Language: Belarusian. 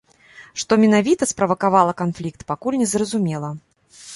Што менавіта справакавала канфлікт, пакуль незразумела.